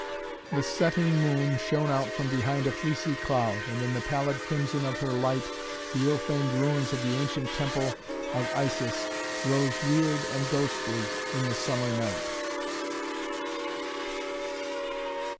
The setting moon shone out from behind a fleecy cloud, and in the pallid crimson of her light the ill famed ruins of the ancient temple of Isis rose weird and ghostly in the summer night.